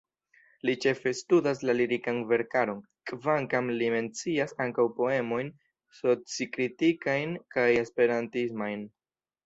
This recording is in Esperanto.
Li ĉefe studas la lirikan verkaron, kvankam li mencias ankaŭ poemojn socikritikajn kaj esperantismajn.